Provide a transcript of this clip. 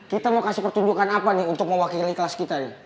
kita mau kasih pertunjukan apa nih untuk mewakili kelas kita nih